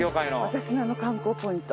私の観光ポイント。